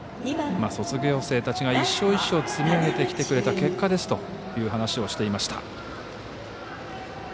卒業生たちが１勝１勝を積み上げてきてくれた結果ですという話をしていました。